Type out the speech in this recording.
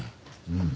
うん。